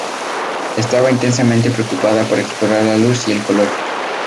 Estaba intensamente preocupada por explorar la luz y el color.